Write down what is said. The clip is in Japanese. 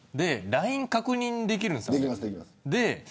ＬＩＮＥを確認できるんですよ。